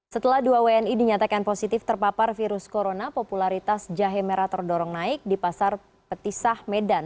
setelah dua wni dinyatakan positif terpapar virus corona popularitas jahe merah terdorong naik di pasar petisah medan